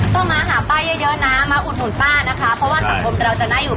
ต้องมาหาป้าเยอะเยอะนะมาอุดหนุนป้านะคะเพราะว่าสังคมเราจะน่าอยู่